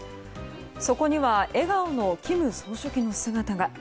そこには笑顔の金総書記の姿が。